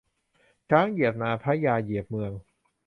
ช้างเหยียบนาพระยาเหยียบเมือง